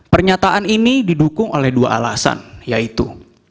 pernyataan ini didukung oleh dua alasan yaitu